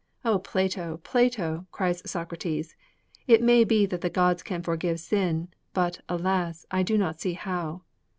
'O Plato, Plato!' cried Socrates, 'it may be that the gods can forgive sin, but, alas, I do not see how!'